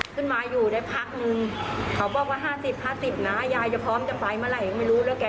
ขึ้นมาอยู่ได้พักเขาบอกว่า๕๐๕๐น้ายายจะพร้อมจะไปเมื่อไหร่ไม่รู้เรื่องราว